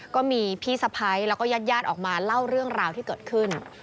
ก็มีพี่สะพ้ายแล้วก็ญาติญาติออกมาเล่าเรื่องราวที่เกิดขึ้น